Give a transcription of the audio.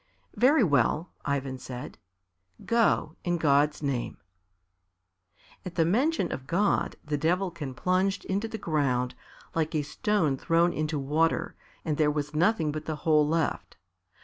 "Very well," Ivan said; "go, in God's name." At the mention of God the Devilkin plunged into the ground like a stone thrown into water, and there was nothing but the hole left.